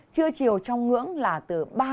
trưa chiều trong ngưỡng là từ ba mươi ba